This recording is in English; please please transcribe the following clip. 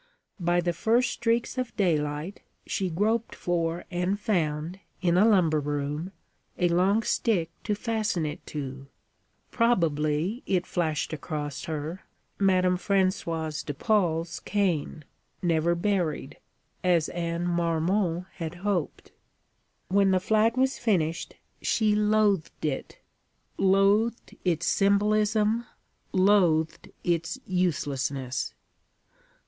By the first streaks of daylight, she groped for and found, in a lumber room, a long stick to fasten it to probably, it flashed across her, Madam Françoise de Paule's cane, never buried, as Anne Marmont had hoped. When the flag was finished, she loathed it: loathed its symbolism, loathed its uselessness.